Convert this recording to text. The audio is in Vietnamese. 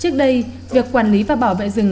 trước đây việc quản lý và bảo vệ rừng